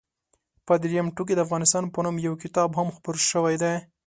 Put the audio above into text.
په درېیم ټوک کې د افغانستان په نوم یو کتاب هم خپور شوی دی.